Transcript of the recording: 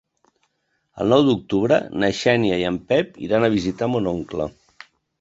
El nou d'octubre na Xènia i en Pep iran a visitar mon oncle.